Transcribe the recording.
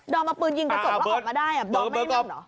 อมเอาปืนยิงกระจกแล้วออกมาได้ดอมไม่ได้ยิงเหรอ